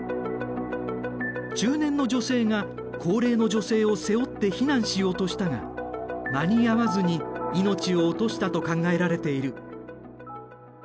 中年の女性が高齢の女性を背負って避難しようとしたが間に合わずに命を落としたと考えられている。